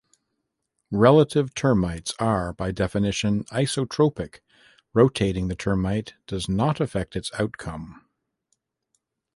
Relative turmites are, by definition, isotropic; rotating the turmite does not affect its outcome.